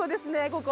ここ。